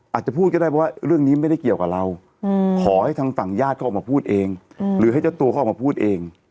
อาจจะพูดก็ได้ว่าเรื่องนี้ไม่ได้เกี่ยวกับเราขอให้ทางฝั่งญาติเขาออกมาพูดเองหรือให้เจ้าตัวเขาออกมาพูดเอง